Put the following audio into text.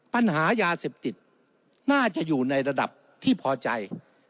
ปัญหายาเสพติดน่าจะอยู่ในระดับที่พอใจ